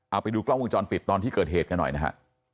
เอาไปดูกล้องวงจรปิดตอนที่เกิดเหตุกันหน่อยนะฮะ